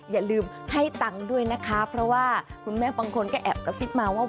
อย่าลืมให้ตังค์ด้วยนะคะเพราะว่าคุณแม่บางคนก็แอบกระซิบมาว่า